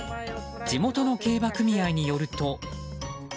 地元の競馬組合によると。